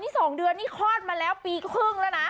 ๒เดือนนี่คลอดมาแล้วปีครึ่งแล้วนะ